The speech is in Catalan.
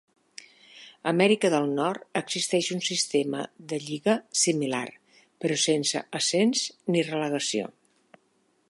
A Amèrica del Nord, existeix un sistema de lliga similar, però sense ascens ni relegació.